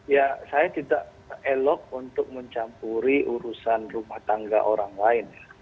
ya saya tidak elok untuk mencampuri urusan rumah tangga orang lain